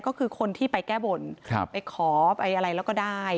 ก็คือคนที่ไปแก้บนไปขอไปอะไรแล้วก็ได้